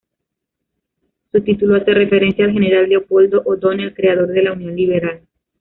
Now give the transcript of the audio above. Su título hace referencia al general Leopoldo O'Donnell, creador de la Unión Liberal.